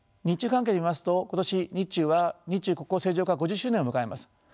日中関係で見ますと今年日中は日中国交正常化５０周年を迎えます。